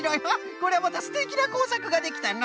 これまたすてきなこうさくができたのう。